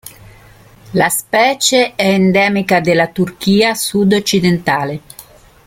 La specie è endemica della Turchia sud-occidentale.